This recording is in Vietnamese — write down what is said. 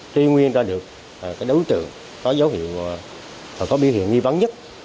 truy nguyên ra được đối tượng có dấu hiệu và có biểu hiện nghi vắng nhất